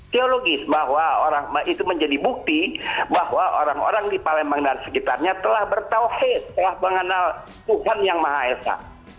teologis bahwa itu menjadi bukti bahwa orang orang di palembang dan sekitarnya telah bertauhid telah mengenal tuhan yang maha esa